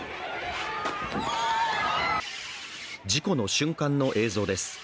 事故の瞬間の映像です。